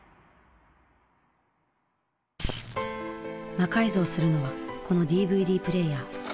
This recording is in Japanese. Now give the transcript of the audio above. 魔改造するのはこのＤＶＤプレーヤー。